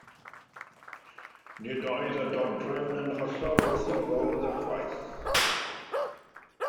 Nid oedd y dodrefn yn hollol wrth ei bodd ychwaith.